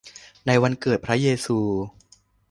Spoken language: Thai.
ในวันกำเนิดพระเยซู